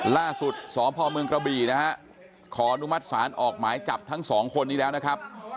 ล่าสุดสพเมืองกระบี่นะฮะขออนุมัติศาลออกหมายจับทั้งสองคนนี้แล้วนะครับ